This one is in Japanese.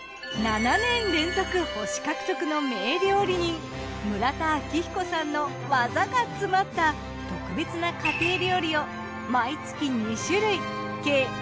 ７年連続星獲得の名料理人村田明彦さんの技が詰まった特別な家庭料理を。